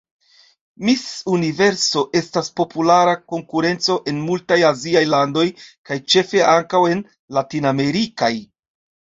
Miss Universo estas populara konkurenco en multaj aziaj landoj kaj ĉefe ankaŭ en latinamerikaj.